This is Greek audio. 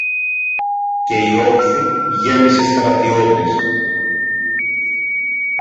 Και η όχθη γέμισε στρατιώτες.